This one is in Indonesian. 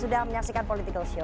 sudah menyaksikan political show